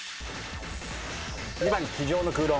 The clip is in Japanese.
２番机上の空論。